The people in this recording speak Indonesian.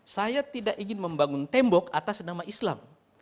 saya tidak ingin membangun tembok atas nama islam